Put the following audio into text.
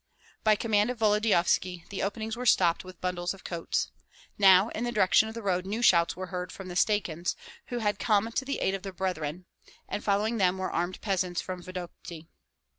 By command of Volodyovski the openings were stopped with bundles of coats. Now in the direction of the road new shouts were heard from the Stakyans, who had come to the aid of their brethren; and following them were armed peasants from Vodokty.